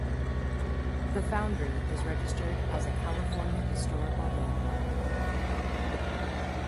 The foundry is registered as a California Historical Landmark.